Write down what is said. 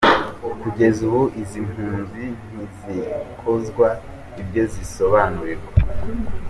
Kugeza ubu izi mpunzi ntizikozwa ibyo zisobanurirwa.